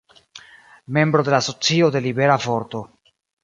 Membro de la Asocio de Libera Vorto.